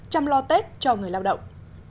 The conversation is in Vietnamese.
chăm lo tết cho người lao động